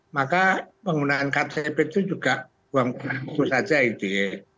maka penggunaan ktp itu juga buang buang saja itu ya